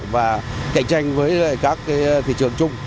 và cạnh tranh với các thị trường chung